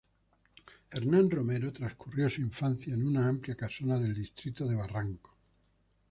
Hernán Romero transcurrió su infancia en una amplia casona del distrito de Barranco.